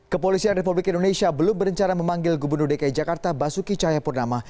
kepolisian republik indonesia belum berencana memanggil gubernur dki jakarta basuki cahayapurnama